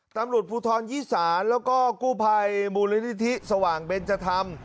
ตำรวจภูทรยี่ศาแล้วก็กูภัยมุลยนตรีธิเศรษฐ์สว่างเบนเจธรรม